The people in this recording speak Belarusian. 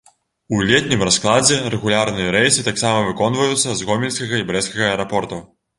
У летнім раскладзе рэгулярныя рэйсы таксама выконваюцца з гомельскага і брэсцкага аэрапортаў.